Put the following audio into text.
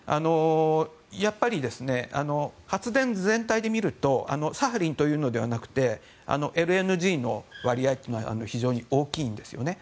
やっぱり発電全体で見るとサハリンというのではなくてＬＮＧの割合というのは非常に大きいんですよね。